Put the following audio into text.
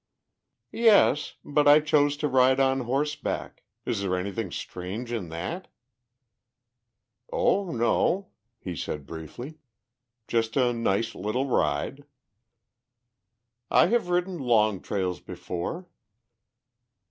"Yes. But I chose to ride on horseback. Is there anything strange in that?" "Oh, no!" he said briefly. "Just a nice little ride!" "I have ridden long trails before."